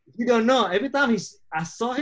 tapi kamu nggak tahu setiap kali